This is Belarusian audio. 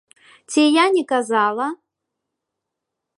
Ці я не казала!